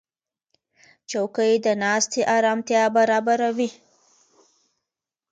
چوکۍ د ناستې آرامتیا برابروي.